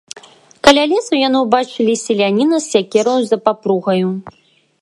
Каля лесу яны ўбачылі селяніна з сякераю за папругаю.